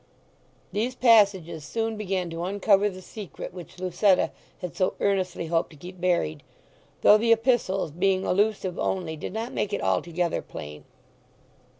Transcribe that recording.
These passages soon began to uncover the secret which Lucetta had so earnestly hoped to keep buried, though the epistles, being allusive only, did not make it altogether plain.